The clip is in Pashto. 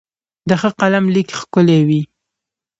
د ښه قلم لیک ښکلی وي.